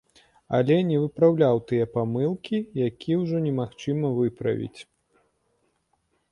Але не выпраўляў тыя памылкі, які ўжо немагчыма выправіць.